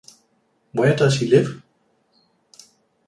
Where does he live?